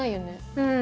うん。